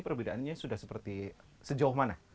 perbedaannya sudah seperti sejauh mana